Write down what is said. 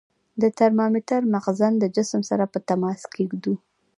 د ترمامتر مخزن د جسم سره په تماس کې ږدو.